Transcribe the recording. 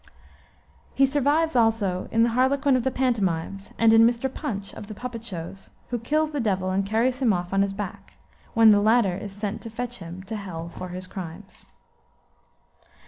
'" He survives also in the harlequin of the pantomimes, and in Mr. Punch, of the puppet shows, who kills the Devil and carries him off on his back, when the latter is sent to fetch him to hell for his crimes.